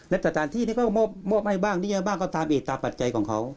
และสตานทหที่เนี้ยก็มอบไห้บ้างเนี้ยบ้างก็ตามเอกตามปัจจัยของเขา